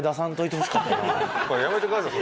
やめてください。